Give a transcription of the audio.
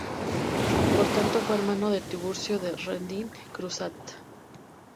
Por tanto fue hermano de Tiburcio de Redín y Cruzat.